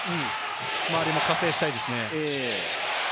周りも加勢したいですね。